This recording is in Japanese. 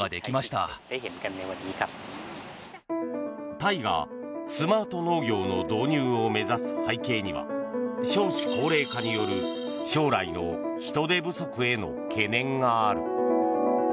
タイがスマート農業の導入を目指す背景には少子高齢化による将来の人手不足への懸念がある。